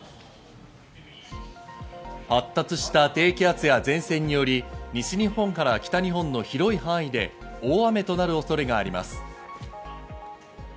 発達した低気圧や前線により、西日本から北日本の広い範囲で大雨となる恐れがあります。